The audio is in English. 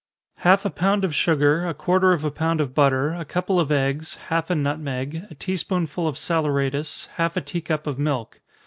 _ Half a pound of sugar, a quarter of a pound of butter, a couple of eggs, half a nutmeg, a tea spoonful of saleratus, half a tea cup of milk.